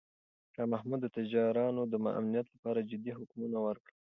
شاه محمود د تجارانو د امنیت لپاره جدي حکمونه ورکړل.